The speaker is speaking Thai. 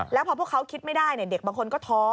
แล้วพอพวกเขาคิดไม่ได้เด็กบางคนก็ท้อ